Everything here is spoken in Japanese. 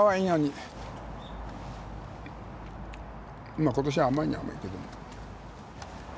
まあ今年は甘いには甘いけども。